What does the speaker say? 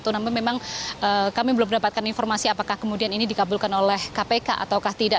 namun memang kami belum mendapatkan informasi apakah kemudian ini dikabulkan oleh kpk atau tidak